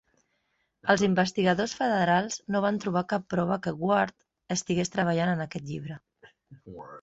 Els investigadors federals no van trobar cap prova que Ward estigués treballant en aquell llibre.